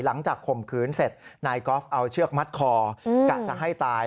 ข่มขืนเสร็จนายกอล์ฟเอาเชือกมัดคอกะจะให้ตาย